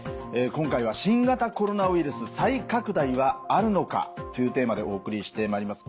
今回は「新型コロナウイルス再拡大はあるのか？」というテーマでお送りしてまいります。